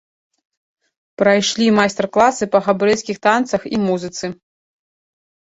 Прайшлі майстар-класы па габрэйскіх танцах і музыцы.